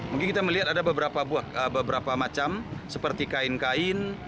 mungkin kita melihat ada beberapa macam seperti kain kain